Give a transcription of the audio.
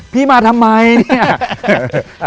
พี่มาทำไมเนี่ย